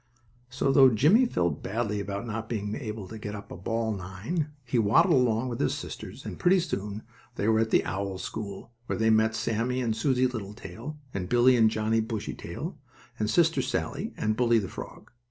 So, though Jimmie felt badly about not being able to get up a ball nine, he waddled along with his sisters, and pretty soon they were at the owl school, where they met Sammie and Susie Littletail and Billie and Johnnie Bushytail, and Sister Sallie and Bully, the frog.